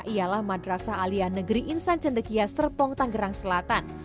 ialah madrasah alia negeri insan cendekia serpong tanggerang selatan